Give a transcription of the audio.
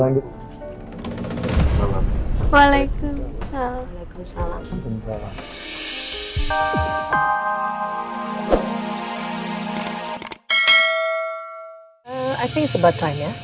yang tadi udah ngantuk berarti tadi lalu mau walaikum salam salam